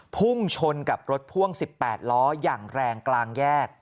พุ่งชนกับรถพ่วง๑๘ล้ออย่างแรงกลางแยก